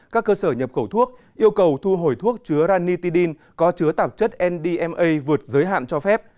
các cơ sở nhập khẩu thuốc yêu cầu thu hồi thuốc chứa ranitidine có chứa tạp chất ndma vượt giới hạn cho phép